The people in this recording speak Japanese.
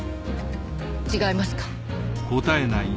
違いますか？